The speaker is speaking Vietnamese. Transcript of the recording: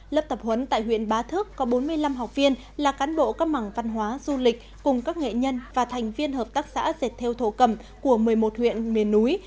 lớp tập huấn tại huyện bá thước có bốn mươi năm học viên là cán bộ các mảng văn hóa du lịch cùng các nghệ nhân và thành viên hợp tác xã dệt theo thổ cầm của một mươi một huyện miền núi